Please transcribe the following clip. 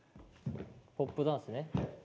ポップダンスね。